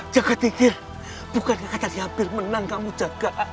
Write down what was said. jaga tinggi bukannya katanya hampir menang kamu jaga